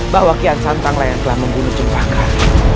bahwa kiyasantang layaklah membunuh ciptaan